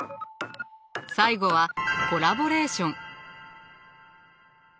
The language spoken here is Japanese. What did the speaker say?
最後はコラボレーション。